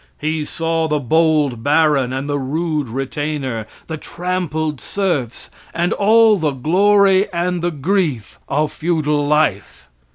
He saw the bold baron and the rude retainer, the trampled serfs, and all the glory and the grief of feudal life.